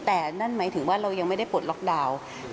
แต่นั่นหมายถึงว่าเรายังไม่ได้ปลดล็อกดาวน์